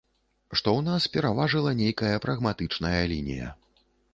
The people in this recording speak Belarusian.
Што ў нас пераважыла нейкая прагматычная лінія.